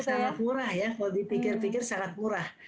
sangat murah ya kalau dipikir pikir sangat murah